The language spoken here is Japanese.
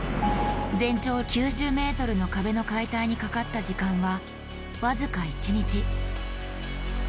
全長９０ｍの壁の解体にかかった時間は僅か１日。